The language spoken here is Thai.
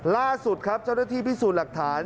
ล่าสุดครับเจ้าหน้าที่พิสูจน์หลักฐาน